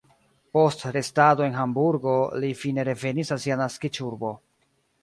Post restado en Hamburgo li fine revenis al sia naskiĝurbo.